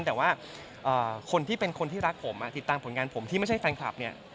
แต่ว่าคนที่เป็นคนที่รักผมติดตามผลงานผมที่ไม่ใช่แฟนคลับเนี่ย